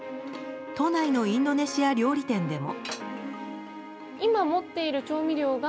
都内のインドネシア料理店でも。